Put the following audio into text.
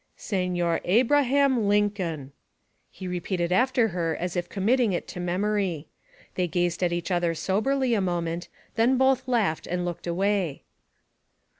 'Signor Ab ra ham Lin coln.' He repeated it after her as if committing it to memory. They gazed at each other soberly a moment; then both laughed and looked away.